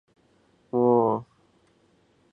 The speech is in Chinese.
目前城堡得到当地政府的保护。